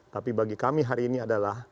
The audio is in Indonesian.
tapi bagi kami hari ini adalah